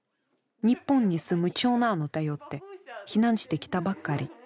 日本に住む長男を頼って避難してきたばかり。